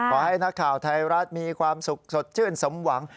ขอให้นักข่าวไทยรัฐมีความสุขสดชื่นสมหวัง